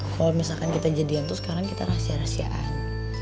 kalau misalkan kita jadian tuh sekarang kita rahasia rahasiaan